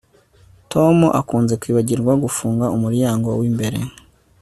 Tom akunze kwibagirwa gufunga umuryango wimbere